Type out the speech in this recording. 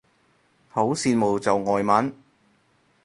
好羨慕就外文